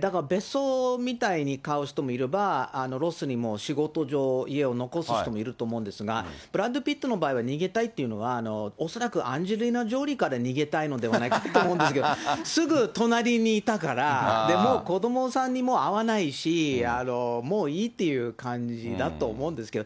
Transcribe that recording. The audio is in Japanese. だから別荘みたいに買う人もいれば、ロスにもう仕事上、家を残す人もいると思うんですが、ブラッド・ピットの場合は、逃げたいっていうのは、恐らくアンジェリーナ・ジョリーから逃げたいのではないかと思うんですけど、すぐ隣にいたから、で、もう子どもさんに会わないし、もういいっていう感じだと思うんですけど。